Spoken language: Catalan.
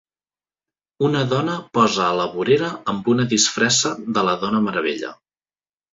Una dona posa a la vorera amb una disfressa de la Dona Meravella.